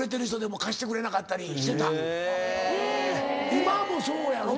今もそうやろ？